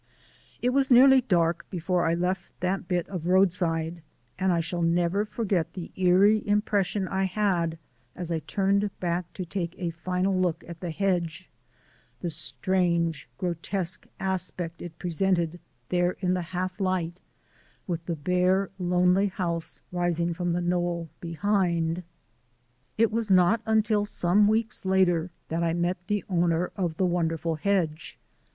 It was nearly dark before I left that bit of roadside, and I shall never forget the eerie impression I had as I turned back to take a final look at the hedge, the strange, grotesque aspect it presented there in the half light with the bare, lonely house rising from the knoll behind. It was not until some weeks later that I met the owner of the wonderful hedge.